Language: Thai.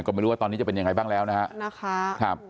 ก็ไม่รู้ว่าตอนนี้จะเป็นยังไงบ้างแล้วนะครับ